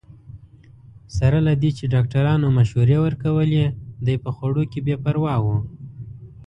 سره له دې چې ډاکټرانو مشورې ورکولې، دی په خوړو کې بې پروا وو.